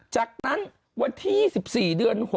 จากนั้นวันที่๒๔เดือน๖